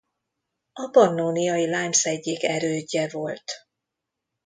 A Pannóniai limes egyik erődje volt.